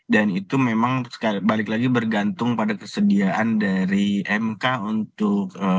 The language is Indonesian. dan itu memang sekali balik lagi bergantung pada kesediaan dari mk untuk